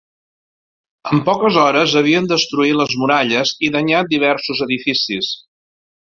En poques hores havien destruït les muralles i danyat diversos edificis.